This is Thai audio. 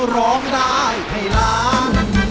ร้องได้ให้ล้าน